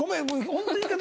ホント言い方